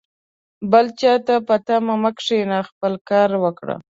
بل چاته په تمه مه کښېنه ، خپله کار وکړه